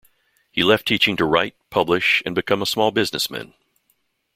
He left teaching to write, publish and become a small businessman.